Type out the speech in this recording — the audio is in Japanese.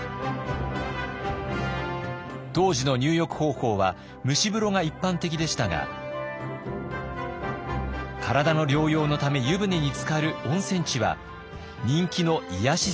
当時の入浴方法は蒸し風呂が一般的でしたが体の療養のため湯船につかる温泉地は人気の癒やし